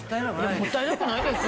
もったいなくないです。